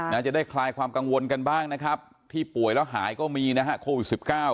น่าจะได้คลายความกังวลกันบ้างนะครับที่ป่วยแล้วหายก็มีนะครับโควิด๑๙